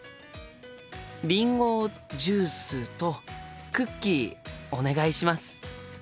りんごジュースとクッキーお願いします。